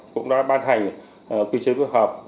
cũng đã ban hành quy chế phối hợp